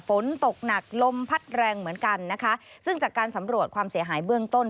ฝนตกหนักลมพัดแรงเหมือนกันนะคะซึ่งจากการสำรวจความเสียหายเบื้องต้น